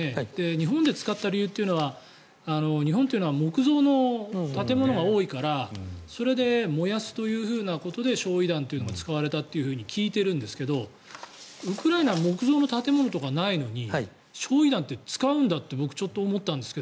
日本で使った理由というのは日本は木造の建物が多いからそれで燃やすということで焼い弾というのが使われたと聞いてるんですけどウクライナ木造の建物とかないのに焼い弾って使うんだって僕、ちょっと思ったんですが。